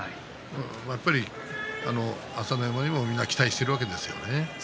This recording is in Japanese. やっぱり朝乃山にもみんな期待しているわけですよね。